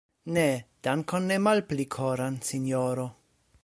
Ne, dankon ne malpli koran, sinjoro.